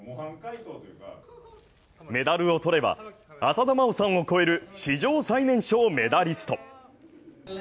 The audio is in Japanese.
メダルを取れば、浅田真央さんを超える史上最年少メダリスト。